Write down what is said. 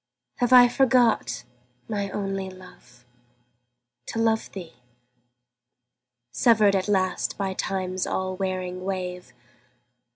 Have I forgot, my only love, to love thee, Severed at last by Time's all wearing wave?